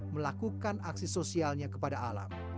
melakukan aksi sosialnya kepada alam